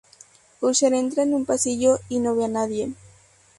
Usher entra en un pasillo y no ve a nadie.